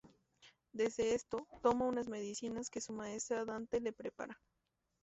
Desde esto, toma unas medicinas que su maestra Dante le prepara.